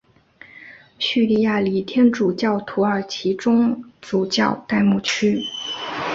叙利亚礼天主教土耳其宗主教代牧区。